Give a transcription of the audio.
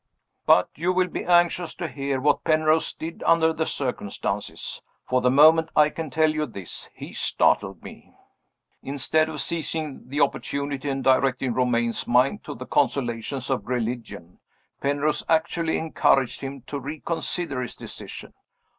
But you will be anxious to hear what Penrose did under the circumstances. For the moment, I can tell you this, he startled me. Instead of seizing the opportunity, and directing Romayne's mind to the consolations of religion, Penrose actually encouraged him to reconsider his decision.